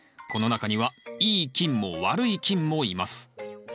この中にはいい菌も悪い菌もいます。